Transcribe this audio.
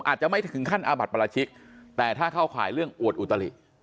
อาจจะไม่ถึงขั้นอาบัติประราชิกแต่ถ้าเข้าข่ายเรื่องอวดอุตลิ